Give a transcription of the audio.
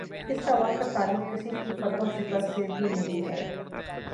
اس سوال کا تعلق کسی کی فتح و شکست سے بھی نہیں ہے۔